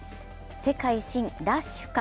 世界新ラッシュか？